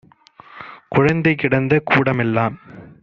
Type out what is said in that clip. குழந்தை கிடந்த கூட மெல்லாம்